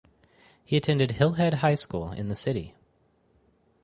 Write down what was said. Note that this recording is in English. He attended Hillhead High School in the city.